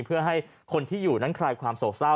เพื่อให้คนที่อยู่นั้นคลายความโศกเศร้า